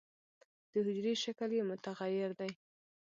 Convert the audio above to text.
د حجرې شکل یې متغیر دی.